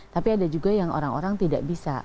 tapi ada juga yang orang orang tidak bisa